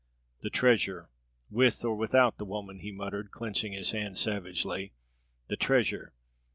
"The treasure, with or without the woman!" he muttered, clenching his hands savagely. "The treasure!